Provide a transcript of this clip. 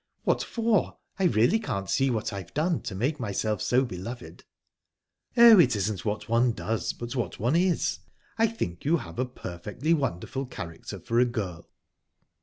"What for? I really can't see what I've done to make myself so beloved." "Oh, it isn't what one does, but what one is. I think you have a perfectly wonderful character, for a girl."